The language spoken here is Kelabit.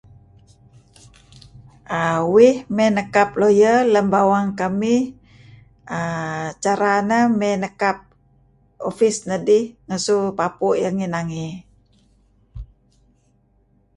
Uih may nekap lawyer lem bawang kamih uhm cara neh may nekap opis nedih ngesu papu' ngi nangey.